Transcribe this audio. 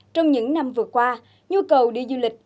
trong những năm vừa qua nhu cầu đi du lịch